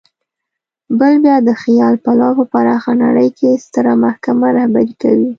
بل بیا د خیال پلو په پراخه نړۍ کې ستره محکمه رهبري کوي.